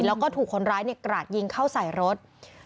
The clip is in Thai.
แล้วก็ถูกคนร้ายกราดยิงเข้าใส่รถ